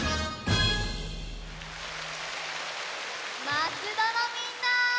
まつどのみんな！